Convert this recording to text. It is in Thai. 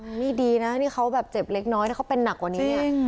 อืมนี่ดีนะนี่เขาแบบเจ็บเล็กน้อยแต่เขาเป็นนักกว่านี้อ่ะจริง